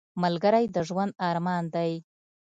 ملګری د ژوند ارمان دی